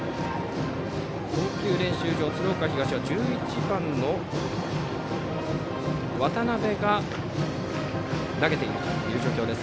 投球練習場、鶴岡東は１１番の渡辺が投げているという状況。